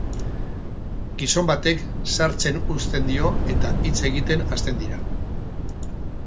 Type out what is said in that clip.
Gizon batek sartzen uzten dio eta hitz egiten hasten dira.